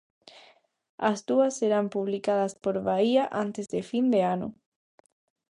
As dúas serán publicadas por Baía antes de fin de ano.